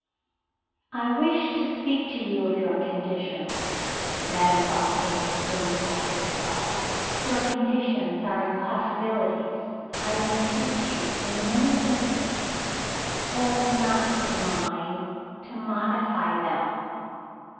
"I wished to speak to you of your conditions," Madame Fontaine resumed, after a pause. "Your conditions are impossibilities. I entreat you, in Minna's interests oh! not in mine! to modify them."